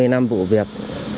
hai mươi năm vụ việc